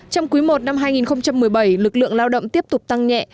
trong quý i năm hai nghìn một mươi bảy lực lượng lao động tiếp tục tăng nhẹ